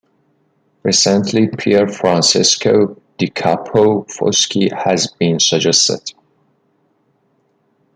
Recently Pier Francesco di Jacopo Foschi has been suggested.